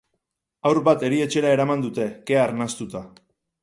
Haur bat erietxera eraman dute, kea arnastuta.